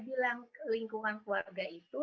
bilang lingkungan keluarga itu